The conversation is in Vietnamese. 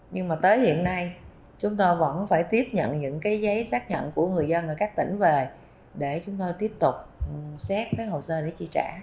nhưng mà tới hiện nay chúng ta vẫn phải tiếp nhận những cái giấy xác nhận của người dân ở các tỉnh về để chúng tôi tiếp tục xét cái hồ sơ để chi trả